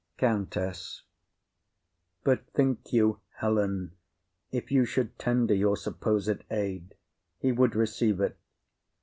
COUNTESS. But think you, Helen, If you should tender your supposed aid, He would receive it?